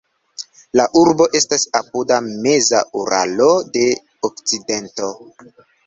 La urbo estas apud meza Uralo de okcidento.